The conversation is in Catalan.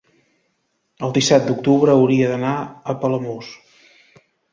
el disset d'octubre hauria d'anar a Palamós.